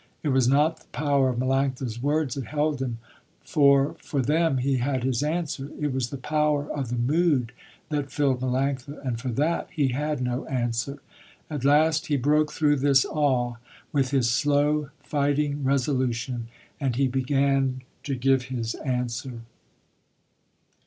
It was not the power of Melanctha's words that held him, for, for them, he had his answer, it was the power of the mood that filled Melanctha, and for that he had no answer. At last he broke through this awe, with his slow fighting resolution, and he began to give his answer.